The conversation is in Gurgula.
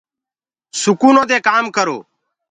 سُکونو دي ڪآم ڪرو۔